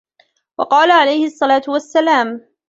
وَقَالَ عَلَيْهِ الصَّلَاةُ وَالسَّلَامُ